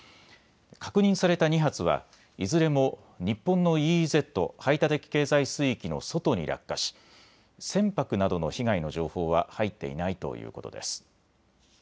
確認された２発はいずれも日本のＥＥＺ・排他的経済水域の外に落下し船舶などの被害の情報は入っていないということです。